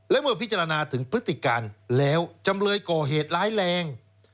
และเมื่อพิจารณาถึงพฤติการแล้วจำเลยก่อเหตุร้ายแรง